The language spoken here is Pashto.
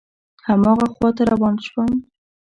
هماغه خواته روان شوم.